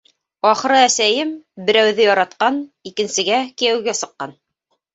Ахыры, әсәйем... берәүҙе яратҡан, икенсегә кейәүгә сыҡҡан.